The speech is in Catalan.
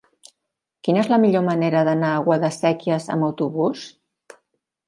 Quina és la millor manera d'anar a Guadasséquies amb autobús?